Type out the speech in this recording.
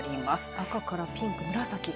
赤からピンク、紫。